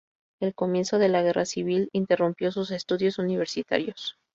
El comienzo de la Guerra Civil interrumpió sus estudios universitarios.